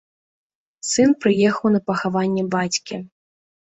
Сын прыехаў на пахаванне бацькі.